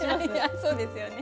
そうですよね。